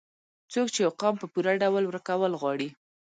څوک چې يو قام په پوره ډول وروکول غواړي